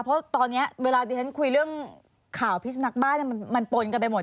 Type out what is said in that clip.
เพราะตอนนี้เวลาดิฉันคุยเรื่องข่าวพิสุนักบ้านมันปนกันไปหมด